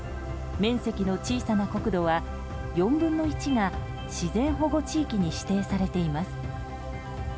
面積の小さな国土は４分の１が自然保護地域に指定されています。